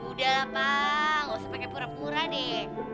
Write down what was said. udah lah pak gak usah pakai pura pura deh